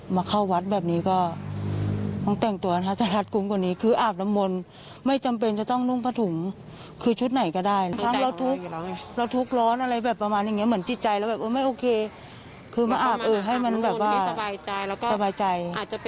มีอะไรอย่างเงี้ย